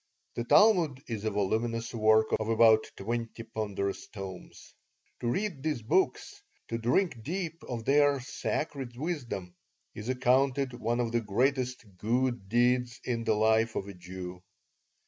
The Talmud is a voluminous work of about twenty ponderous tomes. To read these books, to drink deep of their sacred wisdom, is accounted one of the greatest "good deeds" in the life of a Jew.